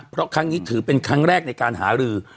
เพราะครั้งนี้ถือเป็นครั้งแรกในการหารือ